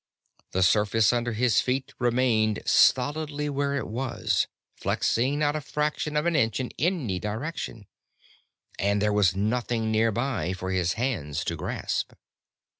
The surface under his feet remained stolidly where it was, flexing not a fraction of an inch in any direction. And there was nothing nearby for his hands to grasp.